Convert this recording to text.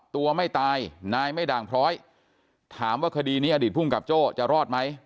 ตัวไม่ตายนายไม่ด่างพร้อยถามว่าคดีนี้อดีตภูมิกับโจ้จะรอดไหม